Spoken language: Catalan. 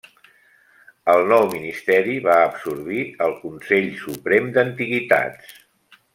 El nou ministeri va absorbir el Consell Suprem d'Antiguitats.